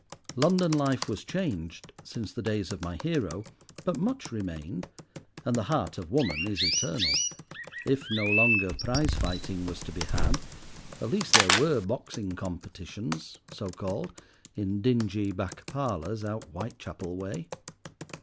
London life was changed since the days of my hero, but much remained, and the heart of woman is eternal. If no longer prizefighting was to be had, at least there were boxing competitions, so called, in dingy back parlours out Whitechapel way.